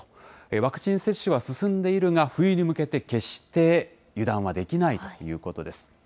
ワクチン接種は進んでいるが、冬に向けて、決して油断はできないということです。